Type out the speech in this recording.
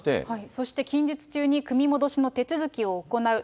そして近日中に組み戻しの手続きを行う。